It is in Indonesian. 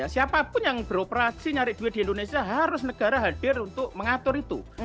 siapapun yang beroperasi nyari duit di indonesia harus negara hadir untuk mengatur itu